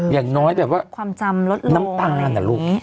อย่างน้อยแบบว่าน้ำตาลอะลูก